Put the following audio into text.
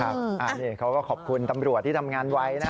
อันนี้เขาก็ขอบคุณตำรวจที่ทำงานไว้นะ